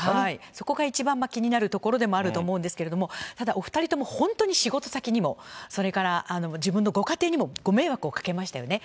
そこが一番気になるところでもあると思うんですけれども、ただ、お２人とも本当に仕事先にも、それから自分のご家庭にもご迷惑をかけましたよね。